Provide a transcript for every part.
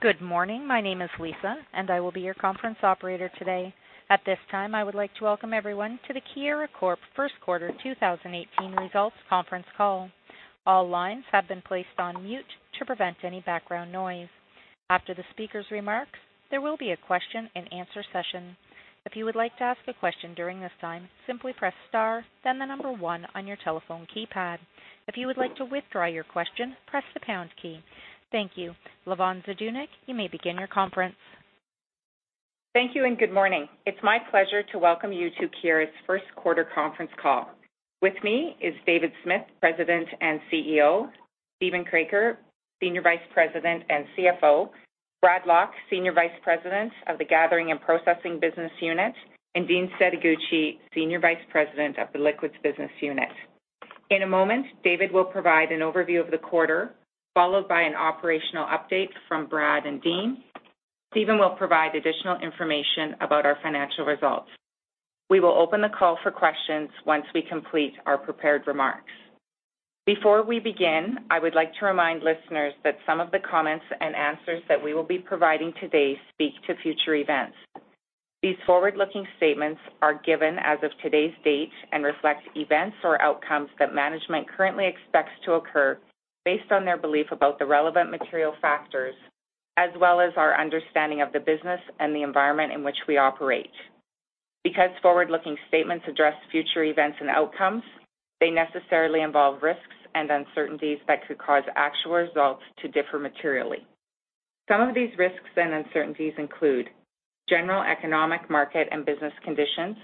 Good morning. My name is Lisa, and I will be your conference operator today. At this time, I would like to welcome everyone to the Keyera Corp First Quarter 2018 Results Conference Call. All lines have been placed on mute to prevent any background noise. After the speaker's remarks, there will be a question and answer session. If you would like to ask a question during this time, simply press star, then the number 1 on your telephone keypad. If you would like to withdraw your question, press the pound key. Thank you. Lavonne Zdunich, you may begin your conference. Thank you. Good morning. It's my pleasure to welcome you to Keyera's first quarter conference call. With me is David Smith, President and CEO, Steven Kroeker, Senior Vice President and CFO, Bradley Lock, Senior Vice President of the Gathering and Processing business unit, and Dean Setoguchi, Senior Vice President of the Liquids business unit. In a moment, David will provide an overview of the quarter, followed by an operational update from Brad and Dean. Steven will provide additional information about our financial results. We will open the call for questions once we complete our prepared remarks. Before we begin, I would like to remind listeners that some of the comments and answers that we will be providing today speak to future events. These forward-looking statements are given as of today's date and reflect events or outcomes that management currently expects to occur based on their belief about the relevant material factors, as well as our understanding of the business and the environment in which we operate. Because forward-looking statements address future events and outcomes, they necessarily involve risks and uncertainties that could cause actual results to differ materially. Some of these risks and uncertainties include general economic market and business conditions,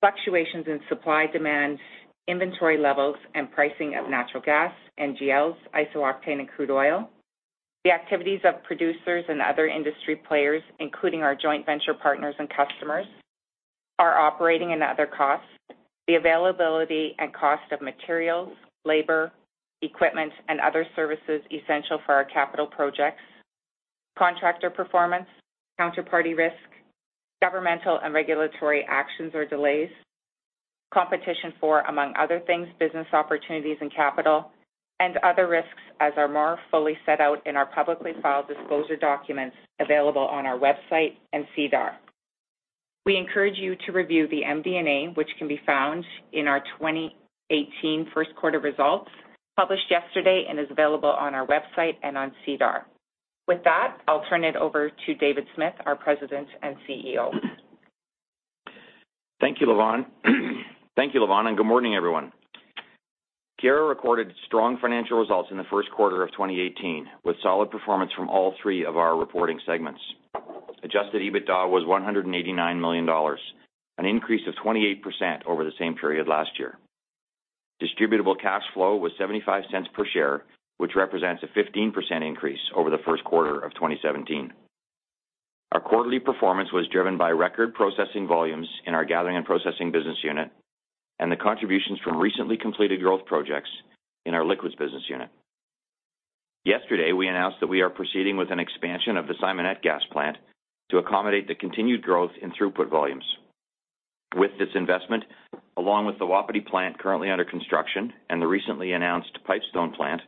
fluctuations in supply, demand, inventory levels, and pricing of natural gas, NGLs, isooctane, and crude oil, the activities of producers and other industry players, including our joint venture partners and customers, our operating and other costs, the availability and cost of materials, labor, equipment, and other services essential for our capital projects, contractor performance, counterparty risk, governmental and regulatory actions or delays, competition for, among other things, business opportunities and capital, and other risks as are more fully set out in our publicly filed disclosure documents available on our website and SEDAR. We encourage you to review the MD&A, which can be found in our 2018 first quarter results, published yesterday and is available on our website and on SEDAR. With that, I'll turn it over to David Smith, our President and CEO. Thank you, Lavonne. Thank you, Lavonne, and good morning, everyone. Keyera recorded strong financial results in the first quarter of 2018, with solid performance from all three of our reporting segments. Adjusted EBITDA was 189 million dollars, an increase of 28% over the same period last year. Distributable cash flow was 0.75 per share, which represents a 15% increase over the first quarter of 2017. Our quarterly performance was driven by record processing volumes in our Gathering and Processing Business Unit and the contributions from recently completed growth projects in our Liquids Business Unit. Yesterday, we announced that we are proceeding with an expansion of the Simonette gas plant to accommodate the continued growth in throughput volumes. With this investment, along with the Wapiti plant currently under construction and the recently announced Pipestone plant,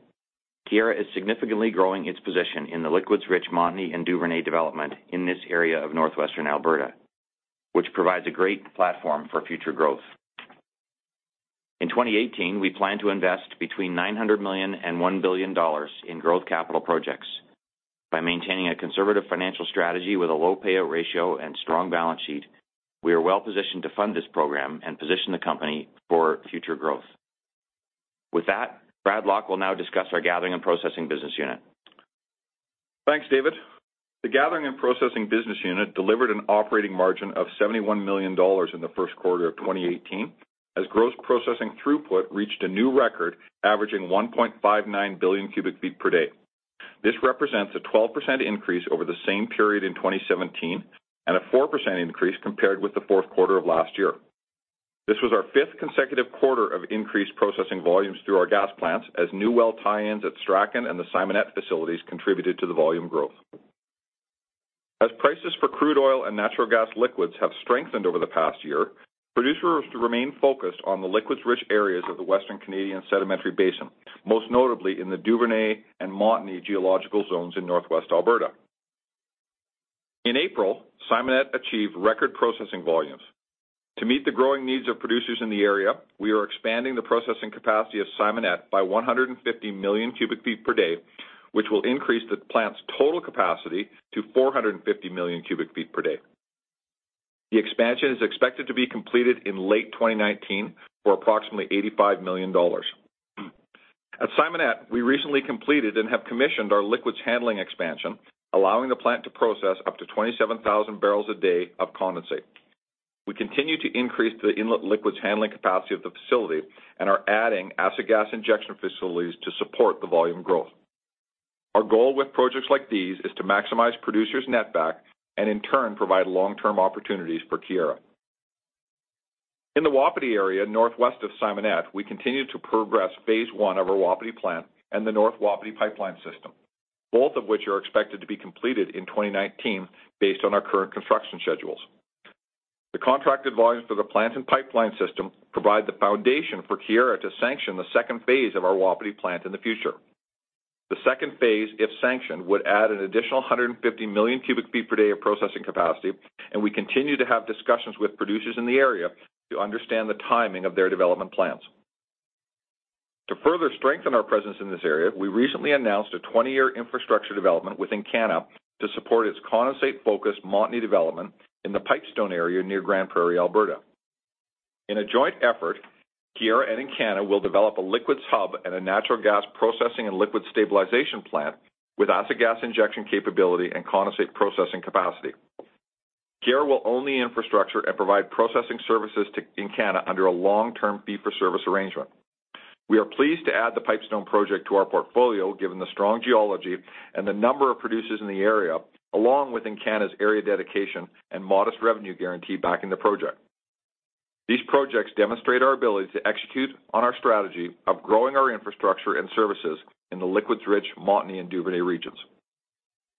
Keyera is significantly growing its position in the liquids-rich Montney and Duvernay development in this area of northwestern Alberta, which provides a great platform for future growth. In 2018, we plan to invest between 900 million and 1 billion dollars in growth capital projects. By maintaining a conservative financial strategy with a low payout ratio and strong balance sheet, we are well-positioned to fund this program and position the company for future growth. With that, Bradley Lock will now discuss our Gathering and Processing Business Unit. Thanks, David. The Gathering and Processing Business Unit delivered an operating margin of 71 million dollars in the first quarter of 2018, as gross processing throughput reached a new record, averaging 1.59 billion cubic feet per day. This represents a 12% increase over the same period in 2017 and a 4% increase compared with the fourth quarter of last year. This was our fifth consecutive quarter of increased processing volumes through our gas plants, as new well tie-ins at Strachan and the Simonette facilities contributed to the volume growth. As prices for crude oil and natural gas liquids have strengthened over the past year, producers remain focused on the liquids-rich areas of the Western Canadian Sedimentary Basin, most notably in the Duvernay and Montney geological zones in northwest Alberta. In April, Simonette achieved record processing volumes. To meet the growing needs of producers in the area, we are expanding the processing capacity of Simonette by 150 million cubic feet per day, which will increase the plant's total capacity to 450 million cubic feet per day. The expansion is expected to be completed in late 2019 for approximately 85 million dollars. At Simonette, we recently completed and have commissioned our liquids handling expansion, allowing the plant to process up to 27,000 barrels a day of condensate. We continue to increase the inlet liquids handling capacity of the facility and are adding acid gas injection facilities to support the volume growth. Our goal with projects like these is to maximize producers' net back and, in turn, provide long-term opportunities for Keyera. In the Wapiti area, northwest of Simonette, we continue to progress phase 1 of our Wapiti plant and the North Wapiti pipeline system, both of which are expected to be completed in 2019 based on our current construction schedules. The contracted volumes for the plant and pipeline system provide the foundation for Keyera to sanction the second phase of our Wapiti plant in the future. The second phase, if sanctioned, would add an additional 150 million cubic feet per day of processing capacity, and we continue to have discussions with producers in the area to understand the timing of their development plans. To further strengthen our presence in this area, we recently announced a 20-year infrastructure development with Encana to support its condensate-focused Montney development in the Pipestone area near Grande Prairie, Alberta. In a joint effort, Keyera and Encana will develop a liquids hub and a natural gas processing and liquids stabilization plant with acid gas injection capability and condensate processing capacity. Keyera will own the infrastructure and provide processing services to Encana under a long-term fee-for-service arrangement. We are pleased to add the Pipestone project to our portfolio, given the strong geology and the number of producers in the area, along with Encana's area dedication and modest revenue guarantee backing the project. These projects demonstrate our ability to execute on our strategy of growing our infrastructure and services in the liquids-rich Montney and Duvernay regions.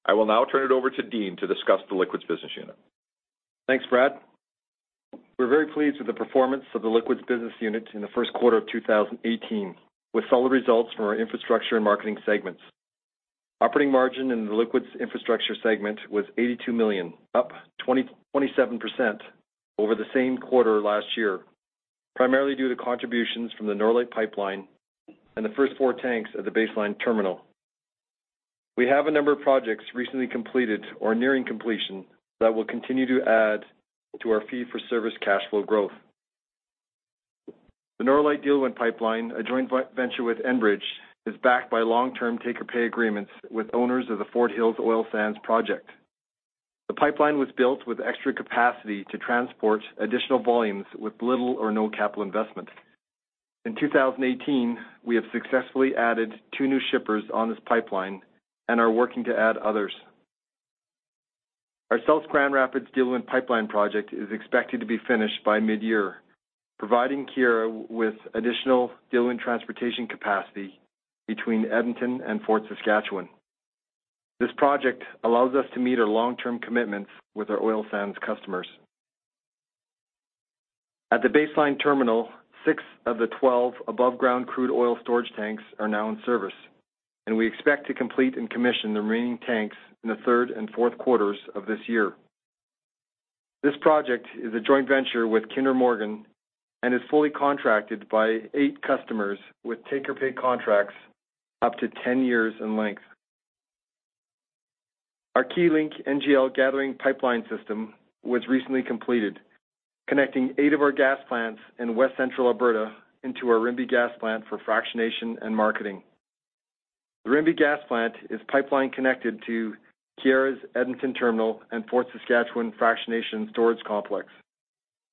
I will now turn it over to Dean to discuss the Liquids Business Unit. Thanks, Brad. We're very pleased with the performance of the Liquids Business Unit in the first quarter of 2018, with solid results from our infrastructure and marketing segments. Operating margin in the liquids infrastructure segment was 82 million, up 27% over the same quarter last year, primarily due to contributions from the Norlite Pipeline and the first 4 tanks at the Base Line Terminal. We have a number of projects recently completed or nearing completion that will continue to add to our fee-for-service cash flow growth. The Norlite Diluent Pipeline, a joint venture with Enbridge, is backed by long-term take-or-pay agreements with owners of the Fort Hills Oil Sands Project. The pipeline was built with extra capacity to transport additional volumes with little or no capital investment. In 2018, we have successfully added 2 new shippers on this pipeline and are working to add others. Our South Grand Rapids Diluent Pipeline project is expected to be finished by mid-year, providing Keyera with additional diluent transportation capacity between Edmonton and Fort Saskatchewan. This project allows us to meet our long-term commitments with our oil sands customers. At the Base Line Terminal, 6 of the 12 above-ground crude oil storage tanks are now in service, and we expect to complete and commission the remaining tanks in the third and fourth quarters of this year. This project is a joint venture with Kinder Morgan and is fully contracted by 8 customers with take-or-pay contracts up to 10 years in length. Our Keylink NGL Gathering Pipeline System was recently completed, connecting 8 of our gas plants in West Central Alberta into our Rimbey Gas Plant for fractionation and marketing. The Rimbey Gas Plant is pipeline connected to Keyera's Edmonton Terminal and Fort Saskatchewan Fractionation Storage Complex,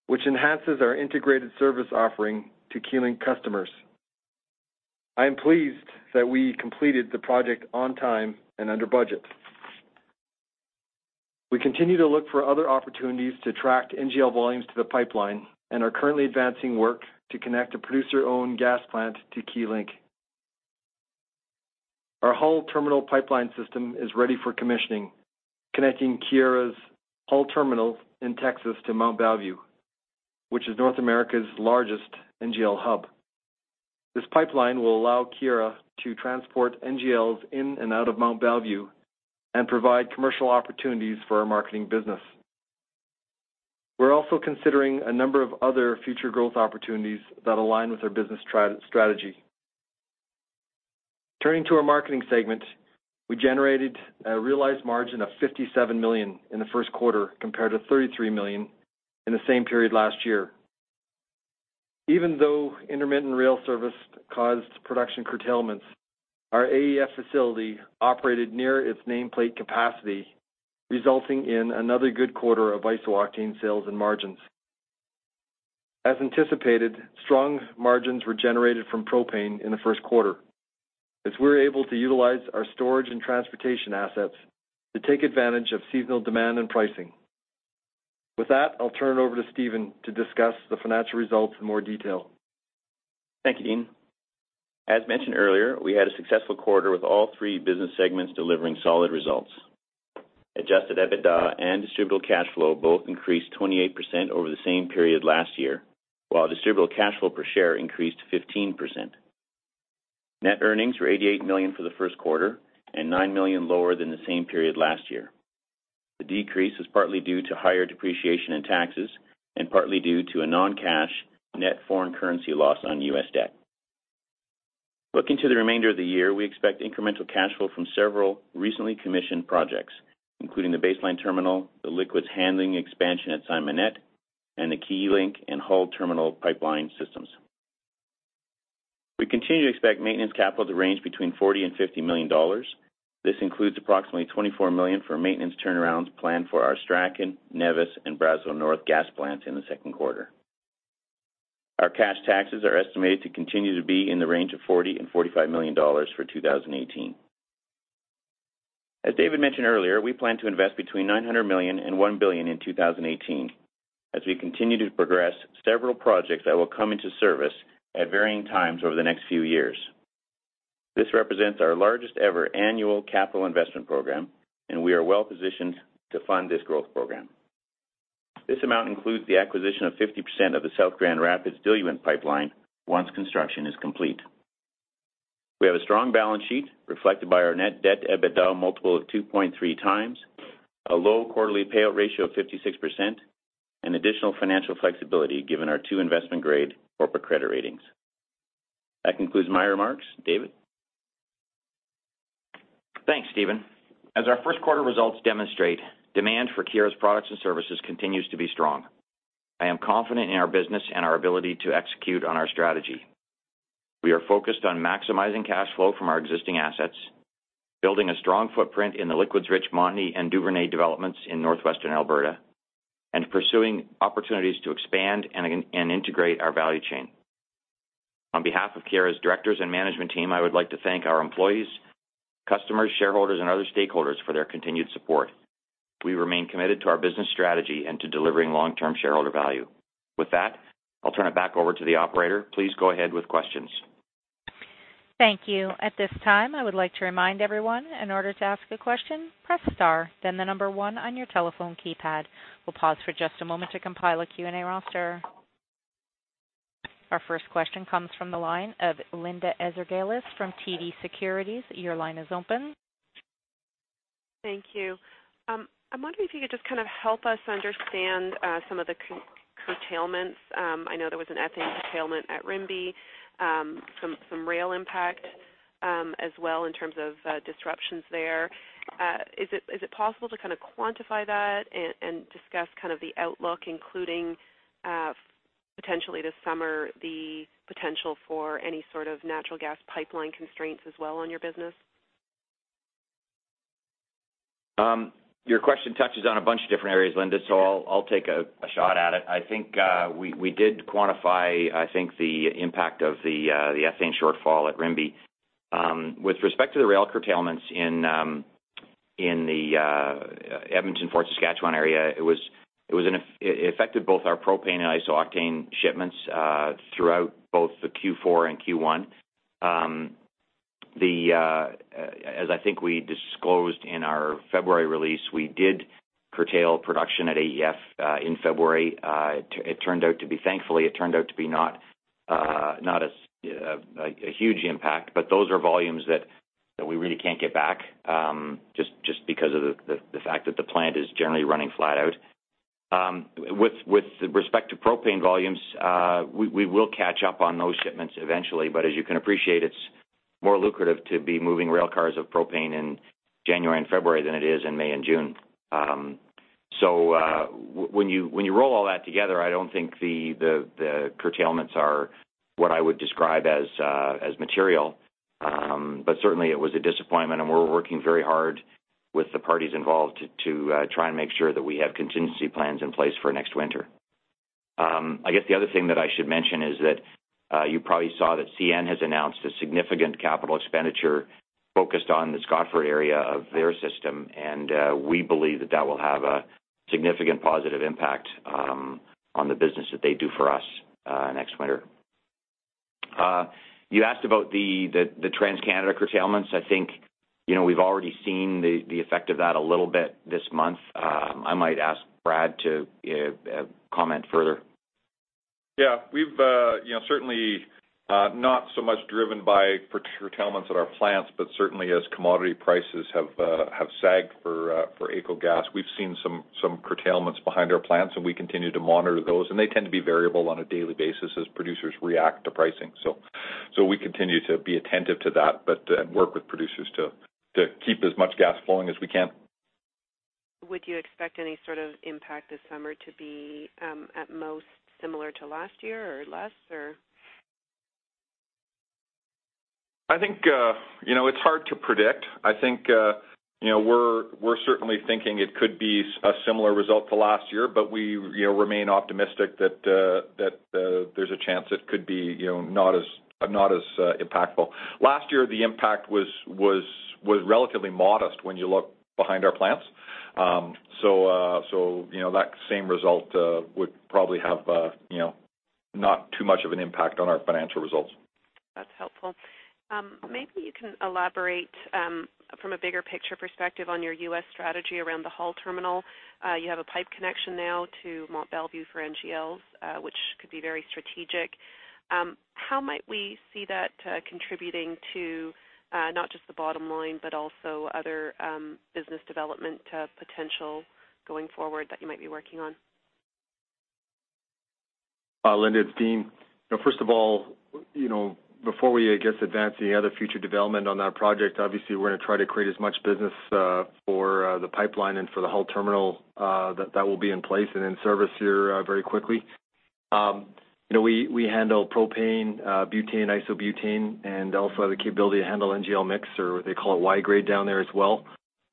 which enhances our integrated service offering to Keylink customers. I am pleased that we completed the project on time and under budget. We continue to look for other opportunities to attract NGL volumes to the pipeline and are currently advancing work to connect a producer-owned gas plant to Keylink. Our Hull Terminal Pipeline System is ready for commissioning, connecting Keyera's Hull Terminal in Texas to Mont Belvieu, which is North America's largest NGL hub. This pipeline will allow Keyera to transport NGLs in and out of Mont Belvieu and provide commercial opportunities for our marketing business. We are also considering a number of other future growth opportunities that align with our business strategy. Turning to our marketing segment, we generated a realized margin of 57 million in the first quarter, compared to 33 million in the same period last year. Even though intermittent rail service caused production curtailments, our AEF facility operated near its nameplate capacity, resulting in another good quarter of isooctane sales and margins. As anticipated, strong margins were generated from propane in the first quarter, as we were able to utilize our storage and transportation assets to take advantage of seasonal demand and pricing. With that, I will turn it over to Steven to discuss the financial results in more detail. Thank you, Dean. As mentioned earlier, we had a successful quarter with all three business segments delivering solid results. Adjusted EBITDA and distributable cash flow both increased 28% over the same period last year, while distributable cash flow per share increased 15%. Net earnings were 88 million for the first quarter and 9 million lower than the same period last year. The decrease was partly due to higher depreciation and taxes and partly due to a non-cash net foreign currency loss on U.S. debt. Looking to the remainder of the year, we expect incremental cash flow from several recently commissioned projects, including the Base Line Terminal, the liquids handling expansion at Simonette, and the Keylink and Hull Terminal pipeline systems. We continue to expect maintenance capital to range between 40 million and 50 million dollars. This includes approximately 24 million for maintenance turnarounds planned for our Strachan, Nevis, and Brazeau North gas plants in the second quarter. Our cash taxes are estimated to continue to be in the range of 40 million and 45 million dollars for 2018. As David mentioned earlier, we plan to invest between 900 million and 1 billion in 2018 as we continue to progress several projects that will come into service at varying times over the next few years. This represents our largest ever annual capital investment program, and we are well-positioned to fund this growth program. This amount includes the acquisition of 50% of the South Grand Rapids Diluent Pipeline once construction is complete. We have a strong balance sheet reflected by our net debt to EBITDA multiple of 2.3 times, a low quarterly payout ratio of 56%, and additional financial flexibility given our two investment-grade corporate credit ratings. That concludes my remarks. David? Thanks, Steven. As our first quarter results demonstrate, demand for Keyera's products and services continues to be strong. I am confident in our business and our ability to execute on our strategy. We are focused on maximizing cash flow from our existing assets, building a strong footprint in the liquids-rich Montney and Duvernay developments in northwestern Alberta, and pursuing opportunities to expand and integrate our value chain. On behalf of Keyera's directors and management team, I would like to thank our employees, customers, shareholders, and other stakeholders for their continued support. We remain committed to our business strategy and to delivering long-term shareholder value. With that, I'll turn it back over to the operator. Please go ahead with questions. Thank you. At this time, I would like to remind everyone, in order to ask a question, press star, then the number one on your telephone keypad. We'll pause for just a moment to compile a Q&A roster. Our first question comes from the line of Linda Ezergailis from TD Securities. Your line is open. Thank you. I'm wondering if you could just help us understand some of the curtailments. I know there was an ethane curtailment at Rimbey, some rail impact as well in terms of disruptions there. Is it possible to quantify that and discuss the outlook, including potentially this summer, the potential for any sort of natural gas pipeline constraints as well on your business? Your question touches on a bunch of different areas, Linda, I'll take a shot at it. I think we did quantify the impact of the ethane shortfall at Rimbey. With respect to the rail curtailments in the Edmonton-Fort Saskatchewan area, it affected both our propane and isooctane shipments throughout both the Q4 and Q1. As I think we disclosed in our February release, we did curtail production at AEF in February. Thankfully, it turned out to be not a huge impact, but those are volumes that we really can't get back, just because of the fact that the plant is generally running flat out. With respect to propane volumes, we will catch up on those shipments eventually, but as you can appreciate, it's more lucrative to be moving rail cars of propane in January and February than it is in May and June. When you roll all that together, I don't think the curtailments are what I would describe as material. Certainly it was a disappointment, and we're working very hard with the parties involved to try and make sure that we have contingency plans in place for next winter. I guess the other thing that I should mention is that you probably saw that CN has announced a significant capital expenditure focused on the Scotford area of their system, and we believe that that will have a significant positive impact on the business that they do for us next winter. You asked about the TransCanada curtailments. I think we've already seen the effect of that a little bit this month. I might ask Brad to comment further. Certainly not so much driven by curtailments at our plants, but certainly as commodity prices have sagged for AECO Gas, we've seen some curtailments behind our plants, and we continue to monitor those. They tend to be variable on a daily basis as producers react to pricing. We continue to be attentive to that, but work with producers to keep as much gas flowing as we can. Would you expect any sort of impact this summer to be at most similar to last year or less, or? I think it's hard to predict. I think we're certainly thinking it could be a similar result to last year, but we remain optimistic that there's a chance it could be not as impactful. Last year, the impact was relatively modest when you look behind our plants. That same result would probably have not too much of an impact on our financial results. That's helpful. Maybe you can elaborate from a bigger picture perspective on your U.S. strategy around the Hull terminal. You have a pipe connection now to Mont Belvieu for NGLs, which could be very strategic. How might we see that contributing to not just the bottom line, but also other business development potential going forward that you might be working on? Linda, it's Dean. First of all, before we, I guess, advance any other future development on that project, obviously we're going to try to create as much business for the pipeline and for the Hull terminal that will be in place and in service here very quickly. We handle propane, butane, isobutane, and also have the capability to handle NGL mix or what they call Y-grade down there as well.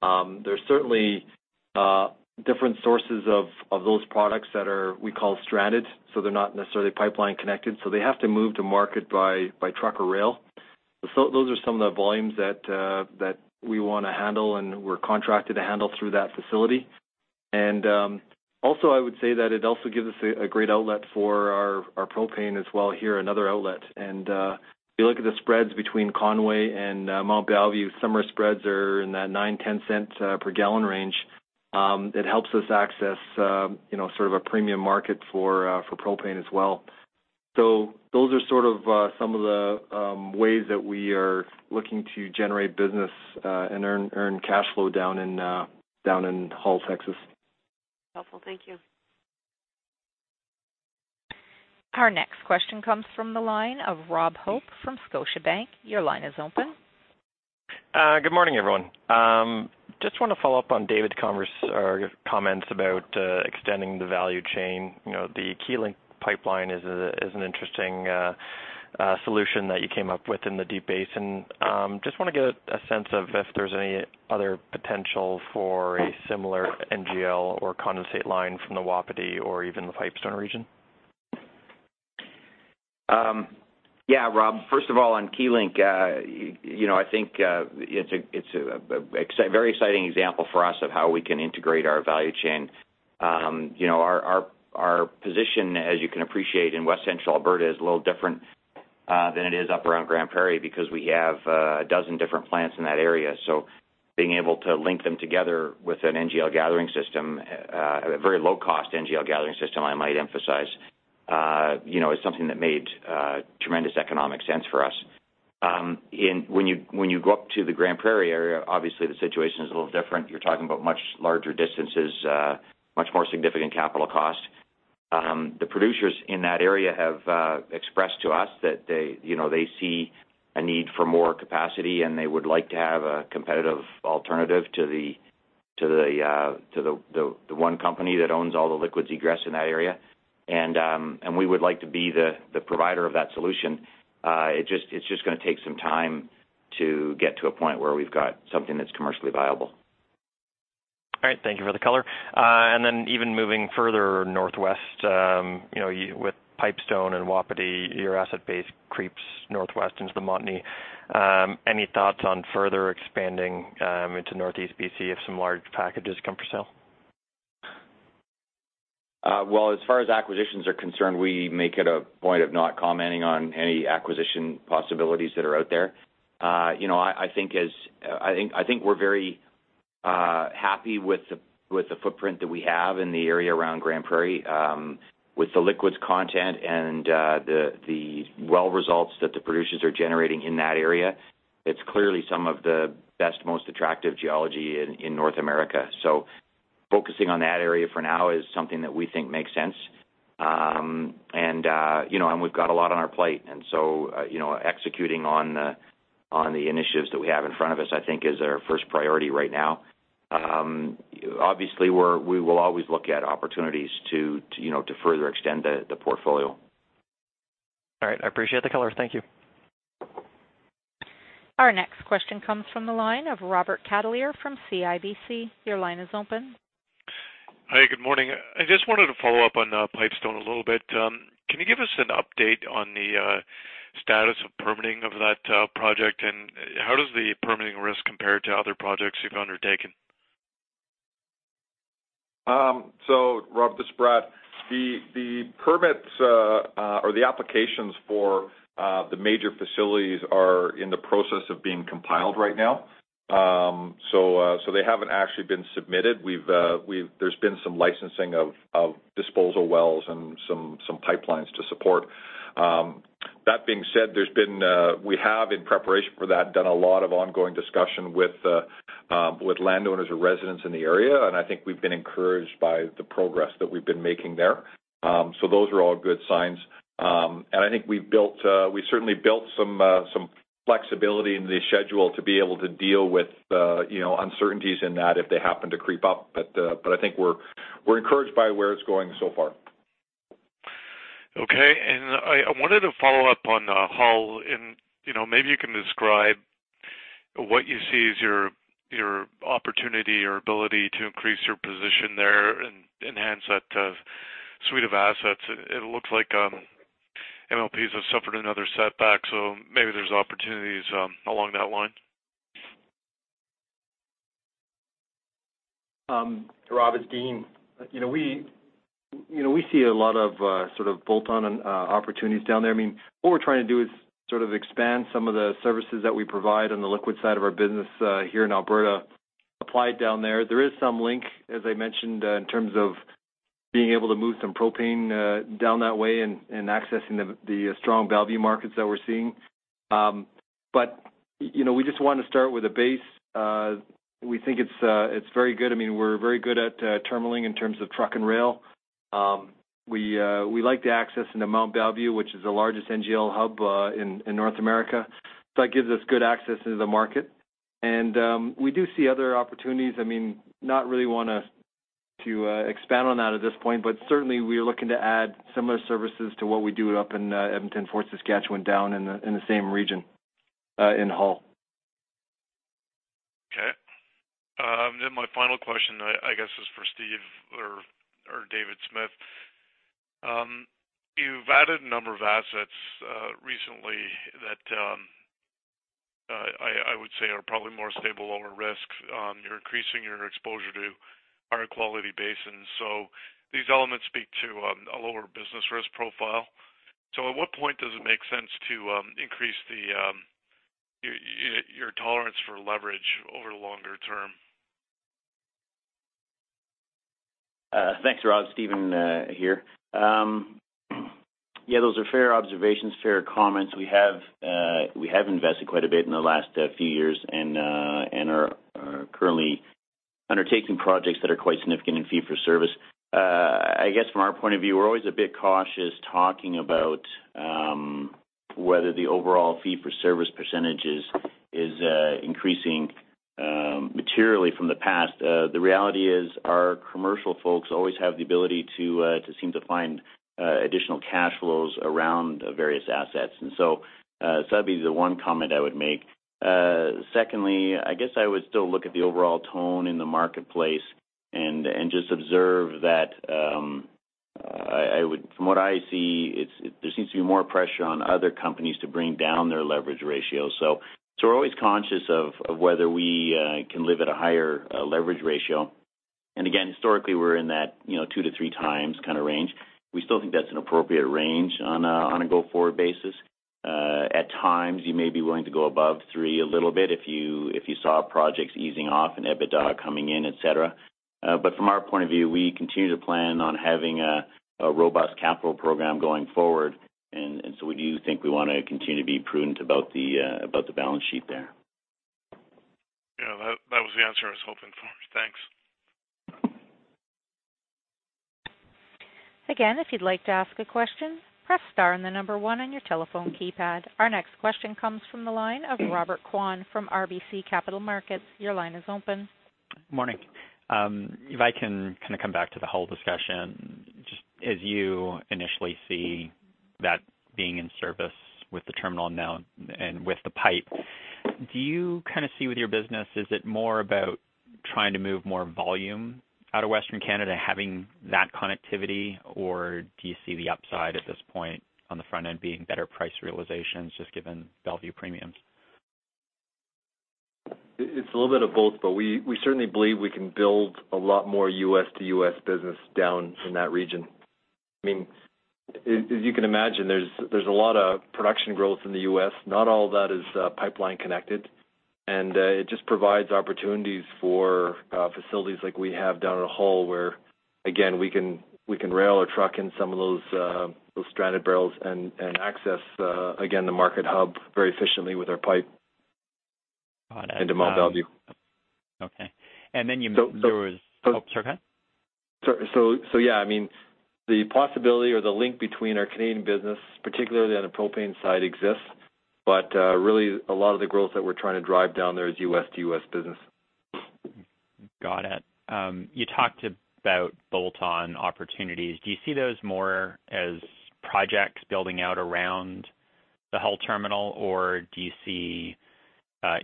There's certainly different sources of those products that are, we call stranded, so they're not necessarily pipeline connected, so they have to move to market by truck or rail. Those are some of the volumes that we want to handle and we're contracted to handle through that facility. Also, I would say that it also gives us a great outlet for our propane as well here, another outlet. If you look at the spreads between Conway and Mont Belvieu, summer spreads are in that 0.09-0.10 per gallon range. It helps us access sort of a premium market for propane as well. Those are sort of some of the ways that we are looking to generate business, and earn cash flow down in Hull, Texas. Helpful. Thank you. Our next question comes from the line of Robert Hope from Scotiabank. Your line is open. Good morning, everyone. Just want to follow up on David's comments about extending the value chain. The Keylink pipeline is an interesting solution that you came up with in the Deep Basin. Just want to get a sense of if there's any other potential for a similar NGL or condensate line from the Wapiti or even the Pipestone region. Yeah, Rob. First of all, on Keylink, I think it's a very exciting example for us of how we can integrate our value chain. Our position, as you can appreciate, in West Central Alberta is a little different than it is up around Grande Prairie because we have a dozen different plants in that area. Being able to link them together with an NGL gathering system, a very low-cost NGL gathering system, I might emphasize, is something that made tremendous economic sense for us. When you go up to the Grande Prairie area, obviously the situation is a little different. You're talking about much larger distances, much more significant capital cost. The producers in that area have expressed to us that they see a need for more capacity, and they would like to have a competitive alternative to the one company that owns all the liquids egress in that area. We would like to be the provider of that solution. It's just gonna take some time to get to a point where we've got something that's commercially viable. All right. Thank you for the color. Then even moving further northwest, with Pipestone and Wapiti, your asset base creeps northwest into the Montney. Any thoughts on further expanding into Northeast BC if some large packages come for sale? Well, as far as acquisitions are concerned, we make it a point of not commenting on any acquisition possibilities that are out there. I think we're very happy with the footprint that we have in the area around Grand Prairie. With the liquids content and the well results that the producers are generating in that area, it's clearly some of the best, most attractive geology in North America. Focusing on that area for now is something that we think makes sense. We've got a lot on our plate, executing on the initiatives that we have in front of us, I think, is our first priority right now. Obviously, we will always look at opportunities to further extend the portfolio. All right. I appreciate the color. Thank you. Our next question comes from the line of Robert Catellier from CIBC. Your line is open. Hi. Good morning. I just wanted to follow up on Pipestone a little bit. Can you give us an update on the status of permitting of that project, and how does the permitting risk compare to other projects you've undertaken? Rob, this is Brad. The permits or the applications for the major facilities are in the process of being compiled right now. They haven't actually been submitted. There's been some licensing of disposal wells and some pipelines to support. That being said, we have, in preparation for that, done a lot of ongoing discussion with landowners or residents in the area, and I think we've been encouraged by the progress that we've been making there. Those are all good signs. I think we certainly built some flexibility in the schedule to be able to deal with uncertainties in that if they happen to creep up. I think we're encouraged by where it's going so far. Okay. I wanted to follow up on Hull and maybe you can describe what you see is your opportunity or ability to increase your position there and enhance that suite of assets. It looks like MLPs have suffered another setback, maybe there's opportunities along that line. Rob, it's Dean. We see a lot of sort of bolt-on opportunities down there. What we're trying to do is sort of expand some of the services that we provide on the Liquids side of our business here in Alberta, apply it down there. There is some link, as I mentioned, in terms of being able to move some propane down that way and accessing the strong Belvieu markets that we're seeing. We just want to start with a base. We think it's very good. We're very good at terminalling in terms of truck and rail. We like the access into Mont Belvieu, which is the largest NGL hub in North America. That gives us good access into the market. We do see other opportunities. I do not really want to expand on that at this point, certainly we are looking to add similar services to what we do up in Edmonton, Fort Saskatchewan, down in the same region, in Hull. Okay. My final question, I guess, is for Steven. You've added a number of assets recently that, I would say are probably more stable, lower risk. You're increasing your exposure to higher quality basins. These elements speak to a lower business risk profile. At what point does it make sense to increase your tolerance for leverage over longer term? Thanks, Rob. Steven here. Those are fair observations, fair comments. We have invested quite a bit in the last few years and are currently undertaking projects that are quite significant in fee-for-service. I guess from our point of view, we're always a bit cautious talking about whether the overall fee-for-service percentage is increasing materially from the past. The reality is, our commercial folks always have the ability to seem to find additional cash flows around various assets. That'd be the one comment I would make. Secondly, I guess I would still look at the overall tone in the marketplace and just observe that, from what I see, there seems to be more pressure on other companies to bring down their leverage ratio. We're always conscious of whether we can live at a higher leverage ratio. Again, historically, we're in that two to three times range. We still think that's an appropriate range on a go-forward basis. At times, you may be willing to go above three a little bit if you saw projects easing off and EBITDA coming in, et cetera. From our point of view, we continue to plan on having a robust capital program going forward. We do think we want to continue to be prudent about the balance sheet there. Yeah, that was the answer I was hoping for. Thanks. Again, if you'd like to ask a question, press star and the number one on your telephone keypad. Our next question comes from the line of Robert Kwan from RBC Capital Markets. Your line is open. Morning. If I can come back to the NGL discussion, just as you initially see that being in service with the terminal now and with the pipe, do you see with your business, is it more about trying to move more volume out of Western Canada, having that connectivity, or do you see the upside at this point on the front end being better price realizations, just given Belvieu premiums? It's a little bit of both, but we certainly believe we can build a lot more U.S. to U.S. business down in that region. As you can imagine, there's a lot of production growth in the U.S., not all of that is pipeline connected, and it just provides opportunities for facilities like we have down in Hull where again, we can rail or truck in some of those stranded barrels and access, again, the market hub very efficiently with our pipe into Mont Belvieu. Okay. So- Sorry, go ahead. Yeah. The possibility or the link between our Canadian business, particularly on the propane side, exists. But really a lot of the growth that we're trying to drive down there is U.S. to U.S. business. Got it. You talked about bolt-on opportunities. Do you see those more as projects building out around the Hull terminal, or do you see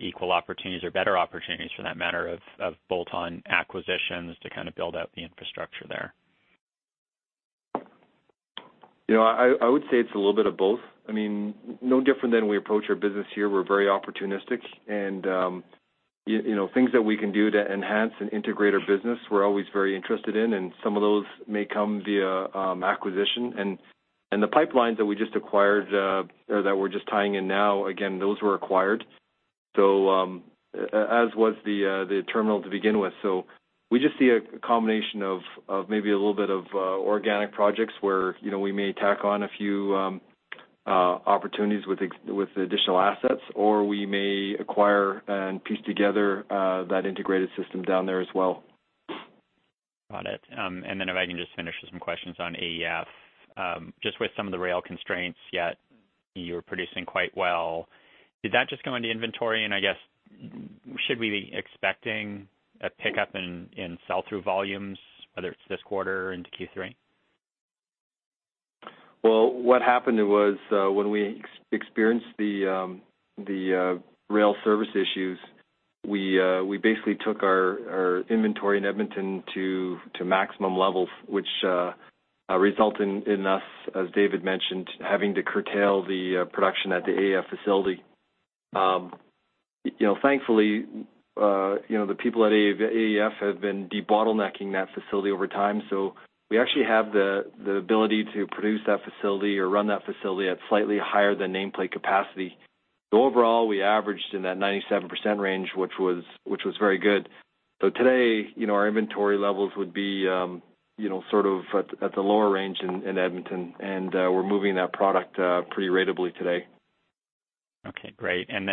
equal opportunities or better opportunities for that matter of bolt-on acquisitions to build out the infrastructure there? I would say it's a little bit of both. No different than we approach our business here. We're very opportunistic, and things that we can do to enhance and integrate our business, we're always very interested in, and some of those may come via acquisition. The pipelines that we just acquired or that we're just tying in now, again, those were acquired. As was the terminal to begin with. We just see a combination of maybe a little bit of organic projects where we may tack on a few opportunities with additional assets, or we may acquire and piece together that integrated system down there as well. Got it. Then if I can just finish with some questions on AEF. Just with some of the rail constraints, yet you're producing quite well, did that just go into inventory? I guess, should we be expecting a pickup in sell-through volumes, whether it's this quarter into Q3? Well, what happened was, when we experienced the rail service issues, we basically took our inventory in Edmonton to maximum levels, which resulted in us, as David mentioned, having to curtail the production at the AEF facility. Thankfully, the people at AEF have been debottlenecking that facility over time. We actually have the ability to produce that facility or run that facility at slightly higher than nameplate capacity. Overall, we averaged in that 97% range, which was very good. Today, our inventory levels would be sort of at the lower range in Edmonton, and we're moving that product pretty ratably today. Okay, great. Can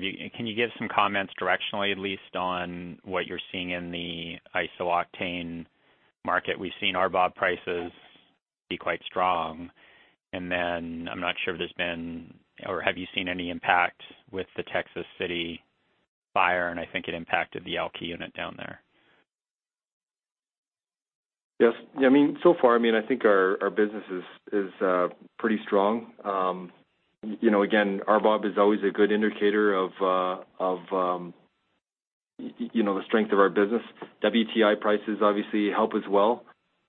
you give some comments directionally, at least on what you're seeing in the isooctane market? We've seen RBOB prices be quite strong, and then I'm not sure if there's been, or have you seen any impact with the Texas City fire, and I think it impacted the Alky unit down there. Yes. Our business is pretty strong. Again, RBOB is always a good indicator of The strength of our business. WTI prices obviously help as well,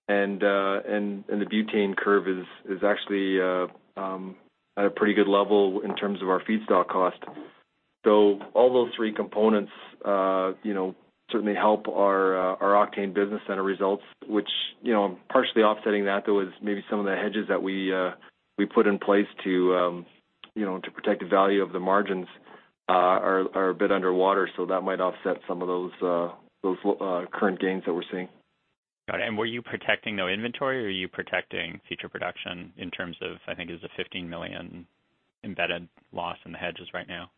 and the butane curve is actually at a pretty good level in terms of our feedstock cost. All those three components certainly help our octane business center results, which, partially offsetting that, though, is maybe some of the hedges that we put in place to protect the value of the margins are a bit underwater. That might offset some of those current gains that we're seeing. Got it. Were you protecting the inventory or are you protecting future production in terms of, I think, is the 15 million embedded loss in the hedges right now?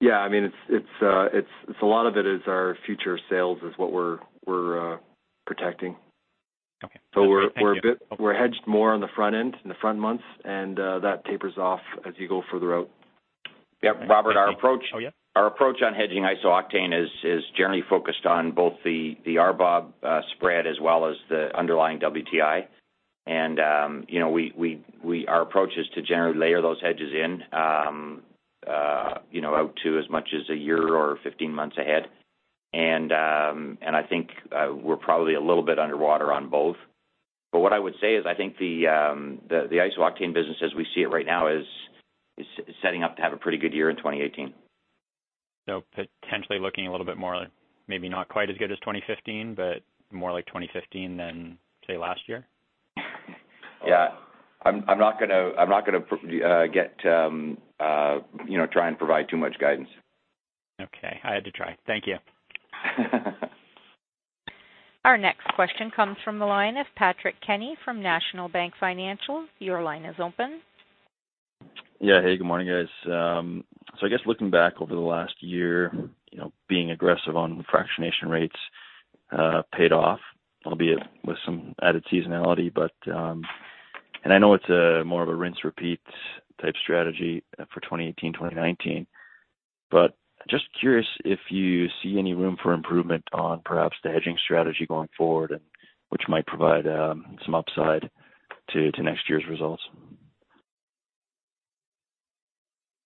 Yeah. A lot of it is our future sales is what we're protecting. Okay. Thank you. We're hedged more on the front end, in the front months, and that tapers off as you go further out. Yep. Robert, our approach- Oh, yeah. Our approach on hedging isooctane is generally focused on both the RBOB spread as well as the underlying WTI. Our approach is to generally layer those hedges in out to as much as a year or 15 months ahead. I think, we're probably a little bit underwater on both. What I would say is I think the isooctane business, as we see it right now, is setting up to have a pretty good year in 2018. Potentially looking a little bit more, maybe not quite as good as 2015, but more like 2015 than, say, last year? Yeah. I'm not going to try and provide too much guidance. Okay. I had to try. Thank you. Our next question comes from the line of Patrick Kenny from National Bank Financial. Your line is open. Yeah. Hey, good morning, guys. I guess looking back over the last year, being aggressive on fractionation rates paid off, albeit with some added seasonality. I know it's more of a rinse-repeat type strategy for 2018-2019, but just curious if you see any room for improvement on perhaps the hedging strategy going forward, which might provide some upside to next year's results.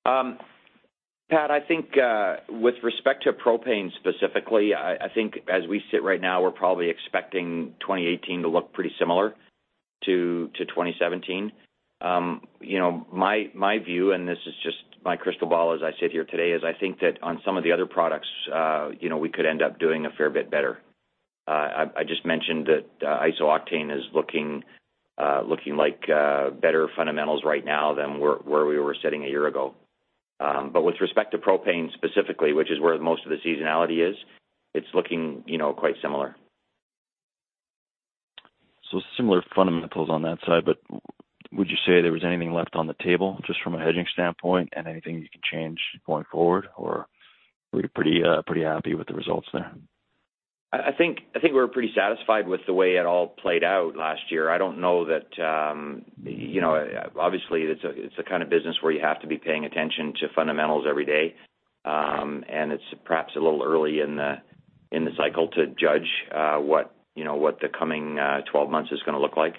Pat, I think with respect to propane specifically, I think as we sit right now, we're probably expecting 2018 to look pretty similar to 2017. My view, and this is just my crystal ball as I sit here today, is I think that on some of the other products, we could end up doing a fair bit better. I just mentioned that isooctane is looking like better fundamentals right now than where we were sitting a year ago. With respect to propane specifically, which is where most of the seasonality is, it's looking quite similar. Similar fundamentals on that side, but would you say there was anything left on the table, just from a hedging standpoint, and anything you can change going forward, or were you pretty happy with the results there? I think we're pretty satisfied with the way it all played out last year. I don't know that obviously, it's a kind of business where you have to be paying attention to fundamentals every day. It's perhaps a little early in the cycle to judge what the coming 12 months is going to look like.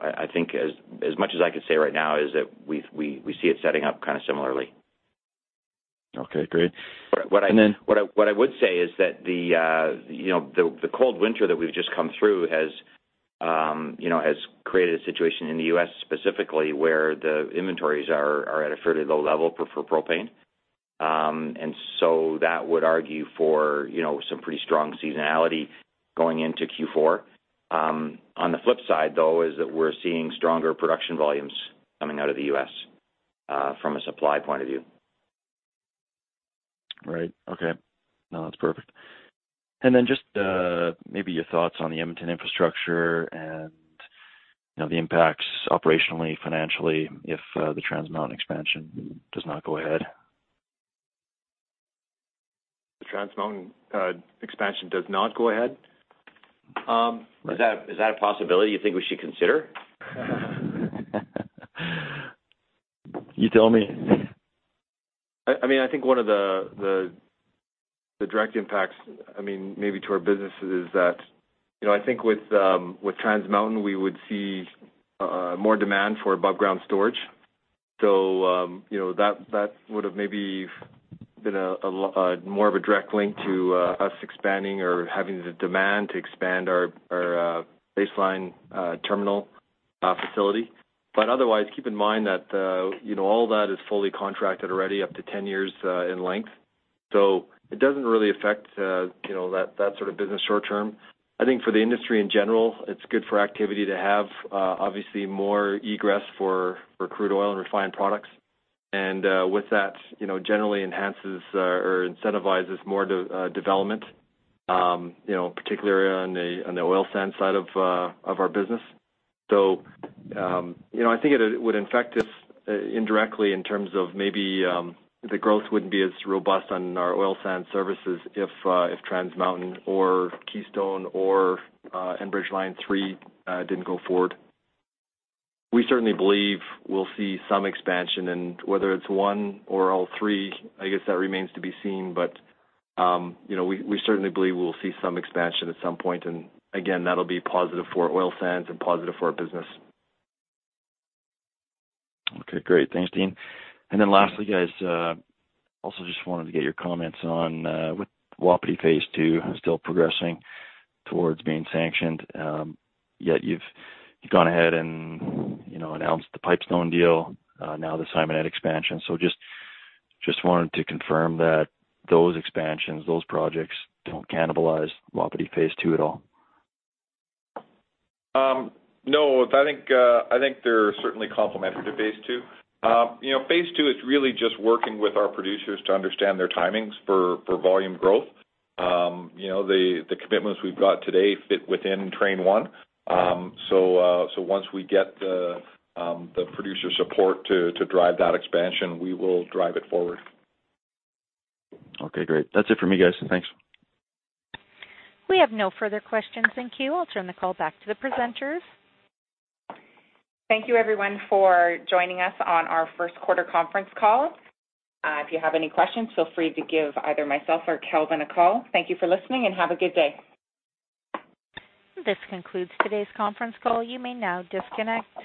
I think as much as I could say right now is that we see it setting up kind of similarly. Okay, great. What I would say is that the cold winter that we've just come through has created a situation in the U.S. specifically, where the inventories are at a fairly low level for propane. That would argue for some pretty strong seasonality going into Q4. On the flip side, though, is that we're seeing stronger production volumes coming out of the U.S. from a supply point of view. Right. Okay. No, that's perfect. Then just maybe your thoughts on the Edmonton infrastructure and the impacts operationally, financially, if the Trans Mountain expansion does not go ahead. The Trans Mountain expansion does not go ahead? Is that a possibility you think we should consider? You tell me. I think one of the direct impacts, maybe to our business, is that, I think with Trans Mountain, we would see more demand for above ground storage. That would've maybe been more of a direct link to us expanding or having the demand to expand our Base Line Terminal facility. Otherwise, keep in mind that all that is fully contracted already up to 10 years in length. It doesn't really affect that sort of business short-term. I think for the industry in general, it's good for activity to have, obviously, more egress for crude oil and refined products. And with that, generally enhances or incentivizes more development, particularly on the oil sands side of our business. I think it would affect us indirectly in terms of maybe the growth wouldn't be as robust on our oil sands services if Trans Mountain or Keystone or Enbridge Line 3 didn't go forward. We certainly believe we'll see some expansion, and whether it's one or all three, I guess that remains to be seen. But we certainly believe we will see some expansion at some point, and again, that'll be positive for oil sands and positive for our business. Okay, great. Thanks, Dean. Lastly, guys, also just wanted to get your comments on, with Wapiti Phase 2 still progressing towards being sanctioned, yet you've gone ahead and announced the Pipestone deal, now the Simonette expansion. Just wanted to confirm that those expansions, those projects don't cannibalize Wapiti Phase 2 at all. No. I think they're certainly complementary to Phase 2. Phase 2 is really just working with our producers to understand their timings for volume growth. The commitments we've got today fit within train 1. Once we get the producer support to drive that expansion, we will drive it forward. Okay, great. That's it for me, guys. Thanks. We have no further questions in queue. I'll turn the call back to the presenters. Thank you everyone for joining us on our first quarter conference call. If you have any questions, feel free to give either myself or Kelvin a call. Thank you for listening and have a good day. This concludes today's conference call. You may now disconnect.